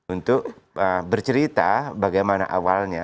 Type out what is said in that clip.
untuk bercerita bagaimana awalnya